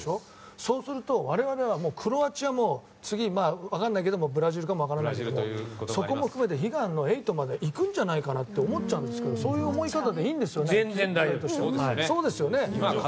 そうすると、我々はクロアチアも次はブラジルかも分からないけどそこも含めて悲願の８まで行くんじゃないかなと思っちゃうんですけどそういう思い方で大丈夫ですか。